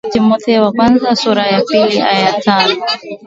timotheo wa kwanza sura ya pili aya ya tano